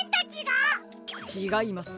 ちがいます。